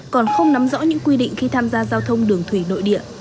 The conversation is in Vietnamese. còn không nắm rõ những quy định khi tham gia giao thông đường thủy nội địa